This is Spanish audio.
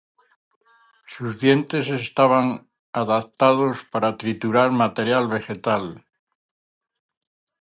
Sus dientes estaban adaptados para triturar materia vegetal.